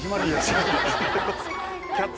違います。